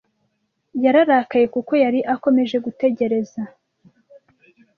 Yararakaye kuko yari akomeje gutegereza.